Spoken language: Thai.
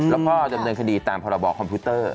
แล้วก็จะบริเวณคดีตามพรบคอมพิวเตอร์